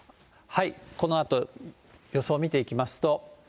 このあと、予想を見ていきますと。